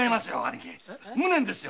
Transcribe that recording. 「無念」ですよ。